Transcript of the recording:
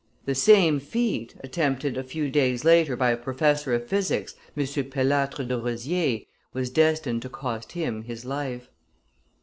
The same feat, attempted a few days later by a professor of physics, M. Pilatre de Rozier, was destined to cost him his life.